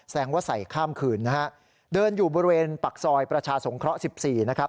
ว่าใส่ข้ามคืนนะฮะเดินอยู่บริเวณปากซอยประชาสงเคราะห์๑๔นะครับ